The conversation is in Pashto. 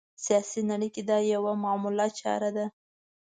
سیاسي نړۍ کې دا یوه معموله چاره ده